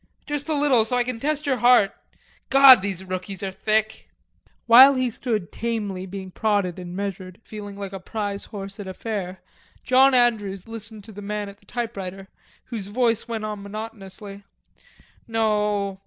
Just a little so I can test yer heart.... God, these rookies are thick." While he stood tamely being prodded and measured, feeling like a prize horse at a fair, John Andrews listened to the man at the typewriter, whose voice went on monotonously. "No...